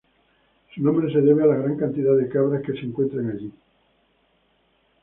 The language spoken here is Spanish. Su nombre se debe a la gran cantidad de cabras que se encuentran allí.